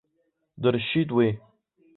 Дыршьит уи.